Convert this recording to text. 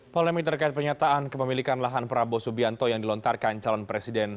polemik terkait pernyataan kepemilikan lahan prabowo subianto yang dilontarkan calon presiden